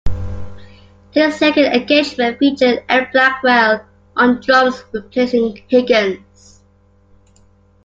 This second engagement featured Ed Blackwell on drums replacing Higgins.